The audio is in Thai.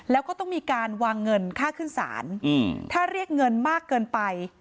แล้วก็ต้องมีการวางเงินค่าขึ้นศาลถ้าเรียกเงินมากเกินไป